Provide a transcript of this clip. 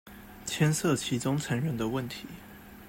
牽涉其中成員的問題